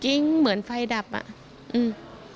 กิ้งเหมือนไฟดับอ่ะอื้ม